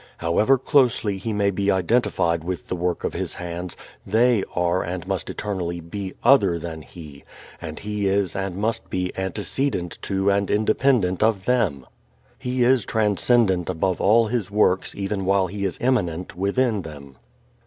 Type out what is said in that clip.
However closely He may be identified with the work of His hands they are and must eternally be other than He, and He is and must be antecedent to and independent of them. He is transcendent above all His works even while He is immanent within them.